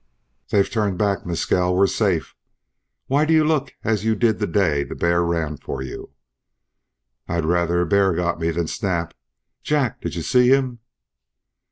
"They've turned back, Mescal. We're safe. Why, you look as you did the day the bear ran for you." "I'd rather a bear got me than Snap. Jack, did you see him?"